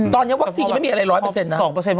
ตอนนี้วัคซีนยังไม่มีอะไร๑๐๐นะ